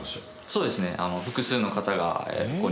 そうですね。